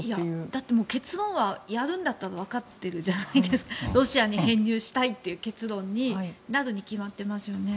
だって、結論はやるんだったらわかってるじゃないですかロシアに編入したいという結論になるにきまってますよね。